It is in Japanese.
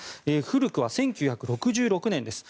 古くは１９６６年です。